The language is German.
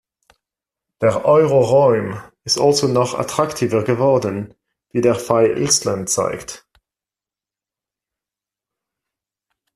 Der Euroraum ist also noch attraktiver geworden, wie der Fall Island zeigt.